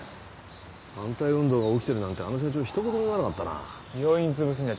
反対運動が起きてるなんてあの社長ひと言も言わなかったな病院潰すんじゃ